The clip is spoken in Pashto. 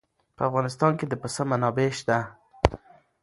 په افغانستان کې د پسه منابع شته.